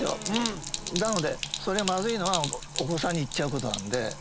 なのでそれまずいのはお子さんにいっちゃうことなんで。